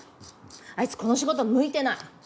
あいつこの仕事向いてない。